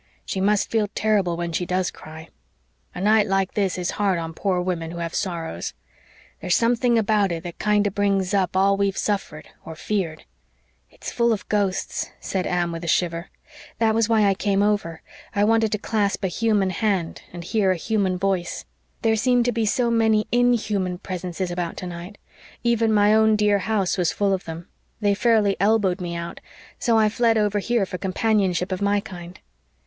She must feel terrible when she does cry. A night like this is hard on poor women who have sorrows. There's something about it that kinder brings up all we've suffered or feared." "It's full of ghosts," said Anne, with a shiver. "That was why I came over I wanted to clasp a human hand and hear a human voice. "There seem to be so many INHUMAN presences about tonight. Even my own dear house was full of them. They fairly elbowed me out. So I fled over here for companionship of my kind."